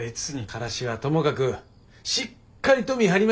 からしはともかくしっかりと見張りましょう！